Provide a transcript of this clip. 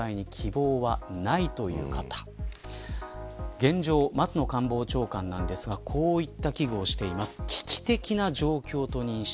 現状、松野官房長官なんですがこういった危惧をしています。